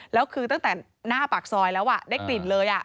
แล้วคือตั้งแต่หน้าปากซอยแล้วได้กลิ่นเลย